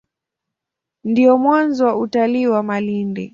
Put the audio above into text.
Ndio mwanzo wa utalii wa Malindi.